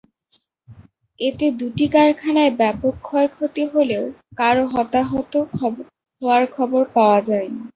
এতে দুটি কারখানায় ব্যাপক ক্ষয়ক্ষতি হলেও কারও হতাহত হওয়ার খবর পাওয়া যায়নি।